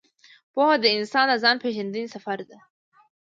پوهه د انسان د ځان پېژندنې سفر دی.